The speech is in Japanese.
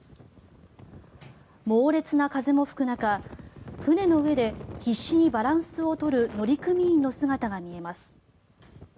猛烈な風も吹く中船の上で必死にバランスを取る乗組員の姿が見えます。